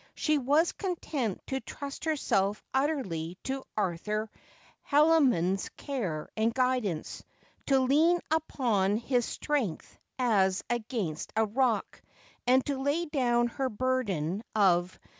She was content to trust herself utterly to Arthur Haldimond's care and guidance, to lean upon his strength as against a rock, and to lay down her burden of 334 Just as I Am.